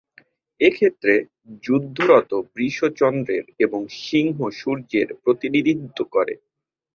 এক্ষেত্রে যুদ্ধরত বৃষ চন্দ্রের এবং সিংহ সূর্যের প্রতিনিধিত্ব করে।